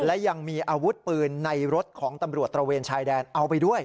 และยังมีอาวุธปืนในรถของตำรวจตระเวนชายแดนเอาไปด้วย